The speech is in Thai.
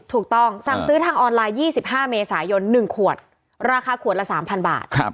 สั่งซื้อทางออนไลน์๒๕เมษายน๑ขวดราคาขวดละ๓๐๐บาท